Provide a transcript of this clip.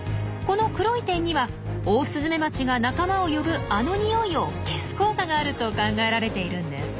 この黒い点にはオオスズメバチが仲間を呼ぶあの匂いを消す効果があると考えられているんです。